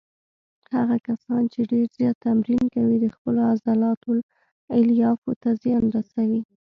هغه کسان چې ډېر زیات تمرین کوي د خپلو عضلاتو الیافو ته زیان ورسوي.